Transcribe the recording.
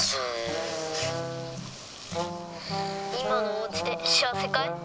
今のおうちで幸せかい？